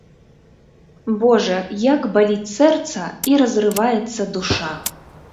Божа, як баліць сэрца і разрываецца душа!